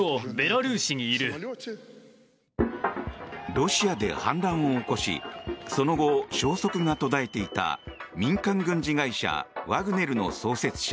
ロシアで反乱を起こしその後、消息が途絶えていた民間軍事会社ワグネルの創設者